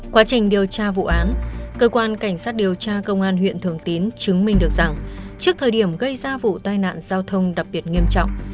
quá trình điều tra vụ án cơ quan cảnh sát điều tra công an huyện thường tín chứng minh được rằng trước thời điểm gây ra vụ tai nạn giao thông đặc biệt nghiêm trọng